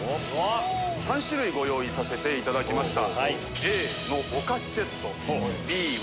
３種類ご用意させていただきました。